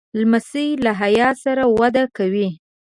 لمسی له حیا سره وده کوي.